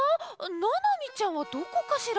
ななみちゃんはどこかしら？